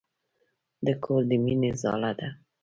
د کور د مينې ځاله ده.